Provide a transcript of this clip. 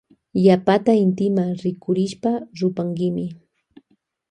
Yapata intima rikurishpa rupankimi.